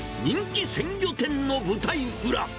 人気鮮魚店の舞台裏。